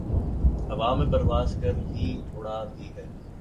ہوا میں پرواز کر ہی اڑا دی ہیں